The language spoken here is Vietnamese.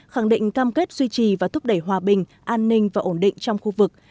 khẳng định cam kết duy trì và thúc đẩy hòa bình an ninh và ổn định trong khu vực